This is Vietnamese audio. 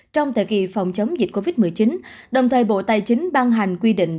trong thời kỳ phòng chống dịch covid một mươi chín đồng thời bộ tài chính ban hành quy định